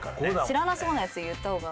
知らなそうなやつ言った方が。